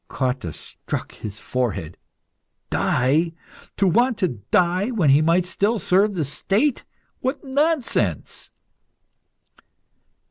Cotta struck his forehead. "Die! To want to die when he might still serve the State! What nonsense!"